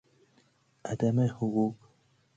عدم حقوق